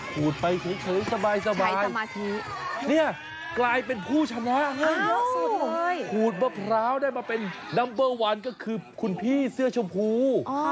ขูดไปเฉยสบายเนี่ยกลายเป็นผู้ชนะให้เยอะสุดขูดมะพร้าวได้มาเป็นนัมเบอร์วันก็คือคุณพี่เสื้อชมพู